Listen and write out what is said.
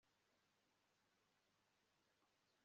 gushyigikira abikorera ku giti cyabo